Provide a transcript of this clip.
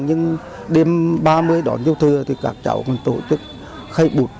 nhưng đêm ba mươi đón châu thừa thì các cháu còn tổ chức khai bút